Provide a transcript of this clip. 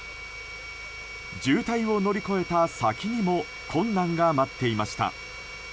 渋滞を乗り越えた先にも困難が待っていました。